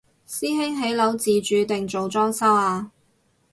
師兄起樓自住定做裝修啊？